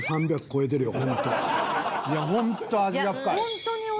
いやホント味が深い。